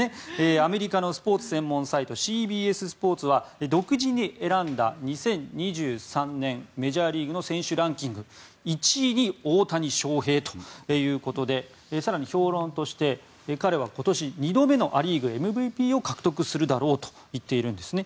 アメリカのスポーツ専門サイトＣＢＳスポーツは独自に選んだ２０２３年メジャーリーグの選手ランキング１位に大谷翔平ということで更に、評論として彼は今年、２度目のア・リーグＭＶＰを獲得するだろうと言っているんですね。